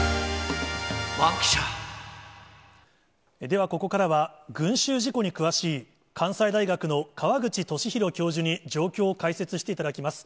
では、ここからは群集事故に詳しい、関西大学の川口寿裕教授に状況を解説していただきます。